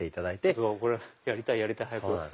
ちょっとこれやりたいやりたい早く。